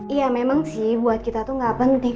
iya memang sih buat kita tuh gak penting